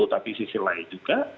tapi sisi lain juga